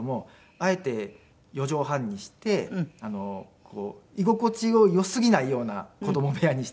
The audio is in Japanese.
あえて４畳半にして居心地を良すぎないような子供部屋にして。